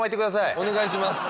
お願いします